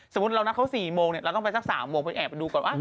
สมมุติเรานักเข้า๔โมงเราต้องไปสัก๓โมงหมดแอบดูก่อน